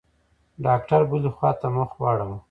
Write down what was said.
ډاکتر بلې خوا ته مخ واړاوه.